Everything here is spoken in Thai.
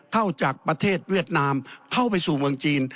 จากประเทศเวียดนามเข้าไปสู่เมืองจีน